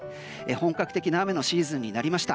本格的な雨のシーズンになりました。